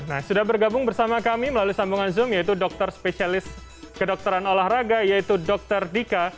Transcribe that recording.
nah sudah bergabung bersama kami melalui sambungan zoom yaitu dokter spesialis kedokteran olahraga yaitu dokter dika